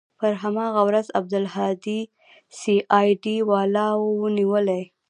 پر هماغه ورځ عبدالهادي سي آى ډي والاو نيولى.